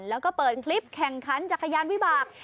แล้วก็เปิดคลิปแข่งขันจักรยานวิบาก